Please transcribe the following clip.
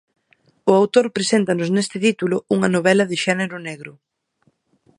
O autor preséntanos neste título unha novela de xénero negro.